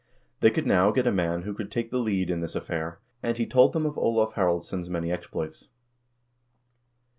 They could now get a man who could take the lead in this affair, and he told them of Olav Haraldsson's many exploits.